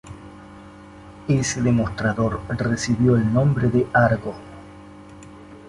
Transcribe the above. Ese demostrador recibió el nombre de "Argo".